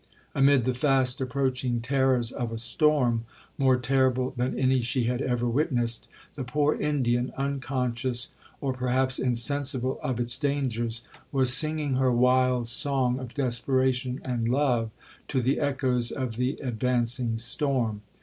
Amid the fast approaching terrors of a storm, more terrible than any she had ever witnessed, the poor Indian, unconscious, or perhaps insensible of its dangers, was singing her wild song of desperation and love to the echoes of the advancing storm.